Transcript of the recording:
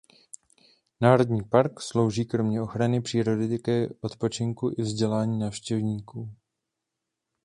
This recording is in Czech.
Národní park slouží kromě ochrany přírody také odpočinku i vzdělání návštěvníků.